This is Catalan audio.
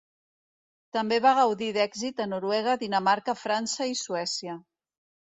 També va gaudir d'èxit a Noruega, Dinamarca, França i Suècia.